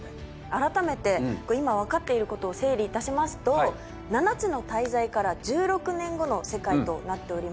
改めて今分かっていることを整理いたしますと「七つの大罪」から１６年後の世界となっております